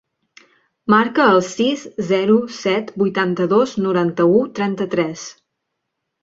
Marca el sis, zero, set, vuitanta-dos, noranta-u, trenta-tres.